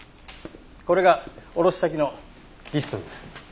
これが卸先のリストです。